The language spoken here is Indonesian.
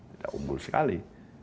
tidak unggul sekali